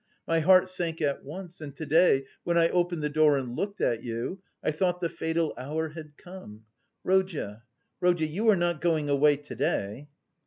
My heart sank at once, and to day when I opened the door and looked at you, I thought the fatal hour had come. Rodya, Rodya, you are not going away to day?"